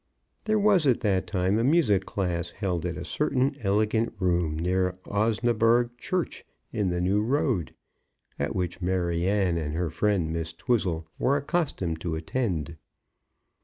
There was at that time a music class held at a certain elegant room near Osnaburgh Church in the New Road, at which Maryanne and her friend Miss Twizzle were accustomed to attend.